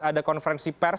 ada konferensi pers